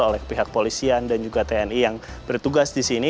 oleh pihak polisian dan juga tni yang bertugas di sini